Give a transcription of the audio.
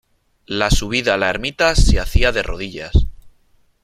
La subida a la ermita se hacía de rodillas.